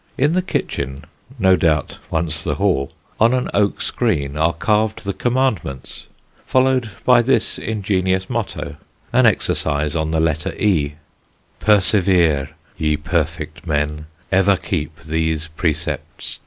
In the kitchen, no doubt once the hall, on an oak screen, are carved the Commandments, followed by this ingenious motto, an exercise on the letter E: Persevere, ye perfect men, Ever keep these precepts ten.